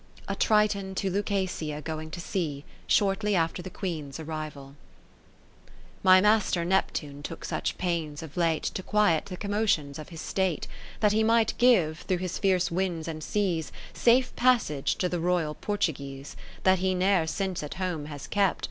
A Triton to Lucasia going to Sea, shortly after the Queen's arrival My Master Neptune took such pains of late To quiet the comrnotions of his state '^, That he might give, through his fierce winds and seas, Safe passage to the Royal Portuguese, Thathee'er sinceat home has kept.